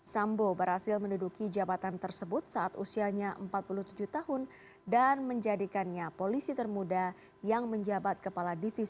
sambo berhasil menduduki jabatan tersebut saat usianya empat puluh tujuh tahun dan menjadikannya polisi termuda yang menjabat kepala divisi